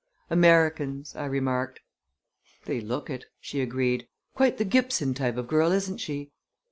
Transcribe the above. "Americans," I remarked. "They look it," she agreed. "Quite the Gibson type of girl, isn't she?"